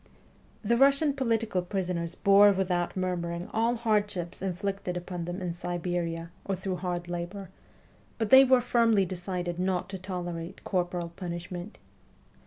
The Russian political prisoners bore without murmuring all hardships inflicted upon them in Siberia or through hard labour, but they were firmly decided not to tolerate corporal punishment.